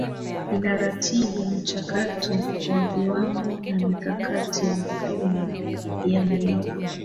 inaratibu mchakato wa viwango na mikakati ya mifumo ya malipo